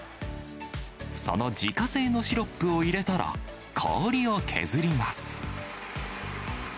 その自家製のシロップを入れたら、氷を削ります。